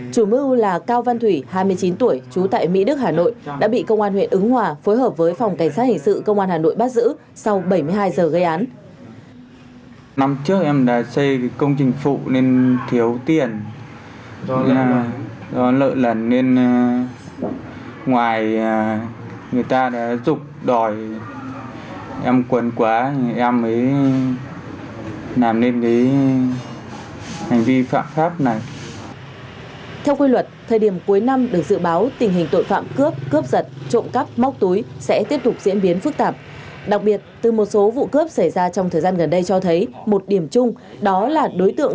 chủ mưu là cao văn thủy hai mươi chín tuổi trú tại mỹ đức hà nội đã bị công an huyện hà nội bắt giữ sau bảy mươi hai giờ gây án